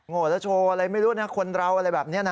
โอ้โหแล้วโชว์อะไรไม่รู้นะคนเราอะไรแบบนี้นะ